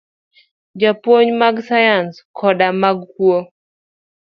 Jopuonj mag sayans koda mag kuo